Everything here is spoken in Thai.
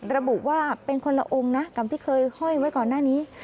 ระบุว่าเป็นคนละองค์นะกับที่เคยห้อยไว้ก่อนหน้านี้